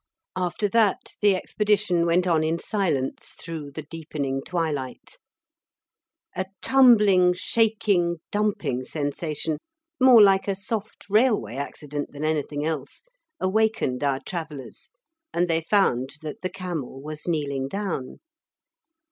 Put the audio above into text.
After that the expedition went on in silence through the deepening twilight. A tumbling, shaking, dumping sensation, more like a soft railway accident than anything else, awakened our travellers, and they found that the camel was kneeling down.